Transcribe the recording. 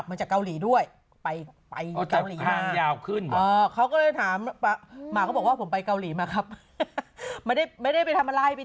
สมัยไปงบของเหรอคืนเขาก็เลยถามมากว่าผมไปเกาหลีมาครับไม่ได้ไม่ได้ไปทำอะไรไปที่